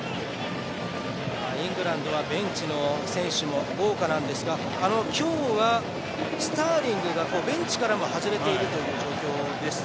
イングランドはベンチの選手も豪華なんですが、今日はスターリングがベンチからも外れているという状況です。